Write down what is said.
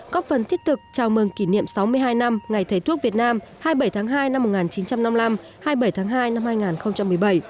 có phần thiết thực chào mừng kỷ niệm sáu mươi hai năm ngày thầy thuốc việt nam hai mươi bảy tháng hai năm một nghìn chín trăm năm mươi năm hai mươi bảy tháng hai năm hai nghìn một mươi bảy